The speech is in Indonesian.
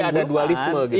jadi ada dualisme gitu